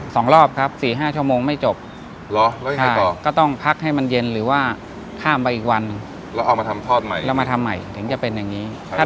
สองรอบครับสี่ห้าชั่วโมงไม่จบร้อยังไหนต่อต้องพักให้มันเย็นหรือว่าข้าวไม่วันเราเอามาทำทอดใหม่เรามาทำใหม่อาจจะเป็นอย่างนี้ถ้า